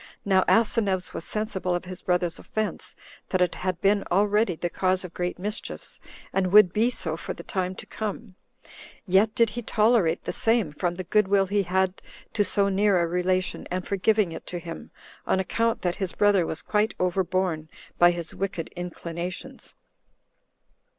Now Asineus was sensible of his brother's offense, that it had been already the cause of great mischiefs, and would be so for the time to come; yet did he tolerate the same from the good will he had to so near a relation, and forgiving it to him, on account that his brother was quite overborne by his wicked inclinations.